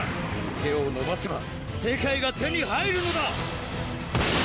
手をのばせば世界が手に入るのだ！